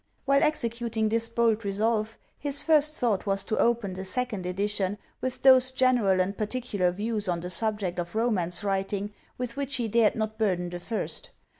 While executing this bold resolve, his first thought was to open the second edition with those general and par ticular views on the subject of romance writing with which he dared not burden the first.